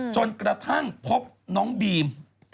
จนกระทั่งพบน้องบีม